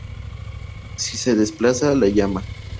Si se desplaza la llama.